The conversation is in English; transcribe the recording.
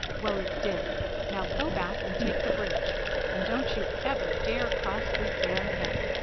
"Well, it did! Now go back and take the bridge, and don't you ever dare cross this dam again."